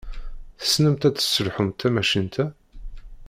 Tessnemt ad tesselḥumt tamacint-a?